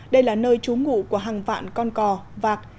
đây là nơi trú ngụ của hàng vạn con cò vạc